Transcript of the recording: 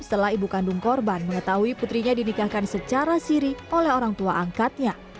setelah ibu kandung korban mengetahui putrinya dinikahkan secara siri oleh orang tua angkatnya